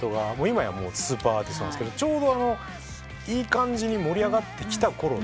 今やスーパーアーティストなんですけどちょうどいい感じに盛り上がってきたころで。